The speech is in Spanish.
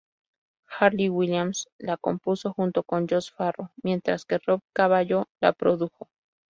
Hayley Williams la compuso junto con Josh Farro, mientras que Rob Cavallo la produjo.